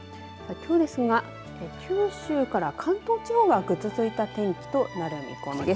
きょうですが九州から関東地方はぐずついた天気となる見込みです。